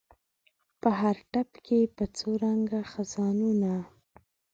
په هر ټپ کې په څو رنګه خزانونه